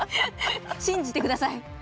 信じてください。